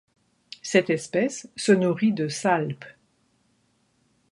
Cette espèce se nourrit de salpes.